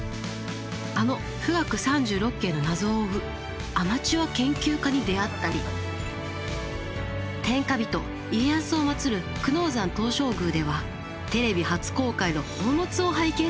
あの「冨嶽三十六景」の謎を追うアマチュア研究家に出会ったり天下人家康を祀る久能山東照宮ではテレビ初公開の宝物を拝見します！